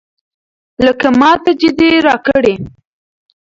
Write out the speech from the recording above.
لکه ماته چې دې راکړي.